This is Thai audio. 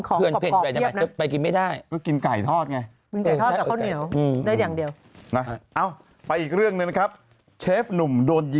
โอ้โหเขาดูยันสิ